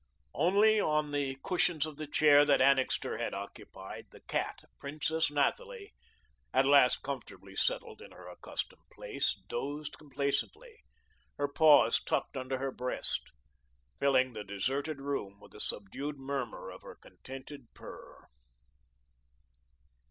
Only on the cushions of the chair that Annixter had occupied, the cat, Princess Nathalie, at last comfortably settled in her accustomed place, dozed complacently, her paws tucked under her breast, filling the deserted room with the subdued murmur of her contented purr.